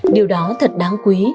điều đó thật đáng quý